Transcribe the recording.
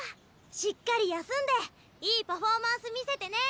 しっかり休んでいいパフォーマンス見せてね。